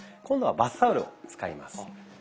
今度はバスタオルを使います。